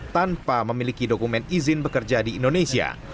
tanpa memiliki dokumen izin bekerja di indonesia